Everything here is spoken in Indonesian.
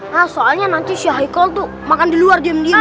hah soalnya nanti si haikal tuh makan di luar diem diem